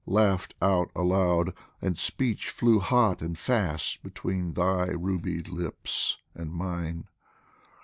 Laughed out aloud, and speech flew hot And fast between thy ruby lips and mine